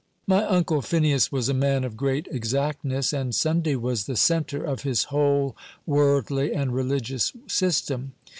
My Uncle Phineas was a man of great exactness, and Sunday was the centre of his whole worldly and religious system.